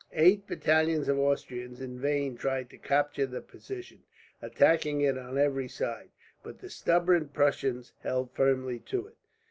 Eight battalions of Austrians in vain tried to capture the position, attacking it on every side; but the stubborn Prussians held firmly to it.